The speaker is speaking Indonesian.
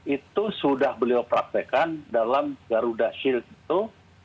itu sudah beliau praktekkan dalam garuda shield itu